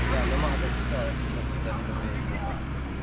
ya memang ada susah susah kita di sini